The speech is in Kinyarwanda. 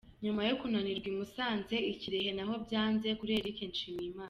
Nyuma yo kunanirirwa i Musanze, i Kirehe naho byanze kuri Eric Nshimiyimana.